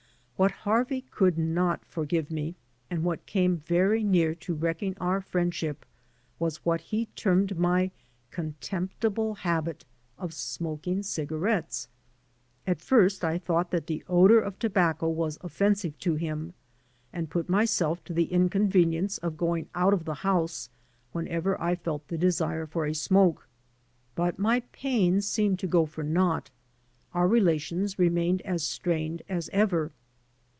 What Harvey could not forgive me, and what came very near to wrecking our friendship, was what he termed my "contemptible habit" of smoking ciga rettes. At first I thought that the odor of tobacco was oflfensive to him, and put myself to the inconvenience of going out of the house whenever I felt the desire for a smoke. But my pains seemed to go for naught; our relations remained as strained as ever.